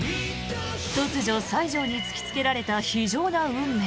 突如、西条に突きつけられた非情な運命。